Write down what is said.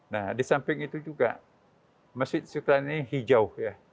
nah di samping itu juga masjid istiqlal ini hijau